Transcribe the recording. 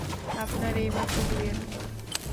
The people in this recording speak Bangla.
আপনার এইমাত্র বিয়ে হলো।